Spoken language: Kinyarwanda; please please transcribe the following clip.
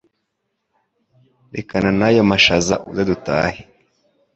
rekana nayo mashaza uze duhate